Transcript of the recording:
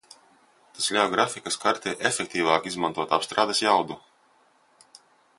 Tas ļauj grafikas kartei efektīvāk izmantot apstrādes jaudu.